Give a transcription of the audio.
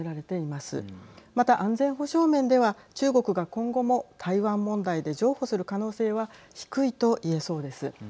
また、安全保障面では中国が今後も台湾問題で譲歩する可能性は低いと言えそうです。